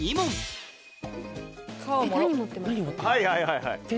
はいはいはいはい。